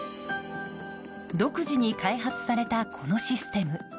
独自に開発されたこのシステム。